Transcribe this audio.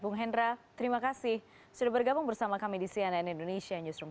bung hendra terima kasih sudah bergabung bersama kami di cnn indonesia newsroom